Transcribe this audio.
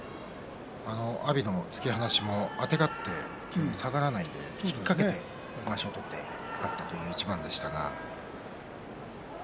阿炎の突き放しもあてがって、下がらないで引っ掛けて、まわしを取って勝ったという一番でしたが。